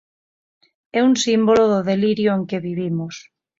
É un símbolo do delirio en que vivimos.